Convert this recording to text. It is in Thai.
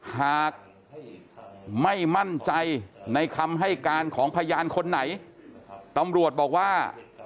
หากไม่มั่นใจในคำให้การของพยานคนไหนตำรวจบอกว่า